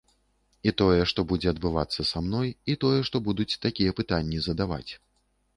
І тое, што будзе адбывацца са мной, і тое, што будуць такія пытанні задаваць.